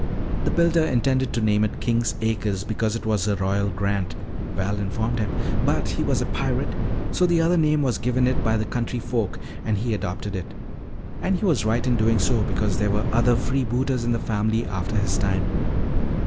"The builder intended to name it 'King's Acres' because it was a royal grant," Val informed him. "But he was a pirate, so the other name was given it by the country folk and he adopted it. And he was right in doing so because there were other freebooters in the family after his time."